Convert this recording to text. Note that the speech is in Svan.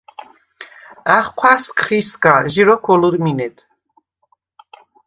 ა̈ხჴვასგხ ისგა, ჟი როქვ ოლჷრმინედ.